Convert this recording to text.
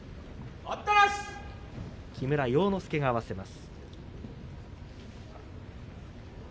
木村要之助が合わせます。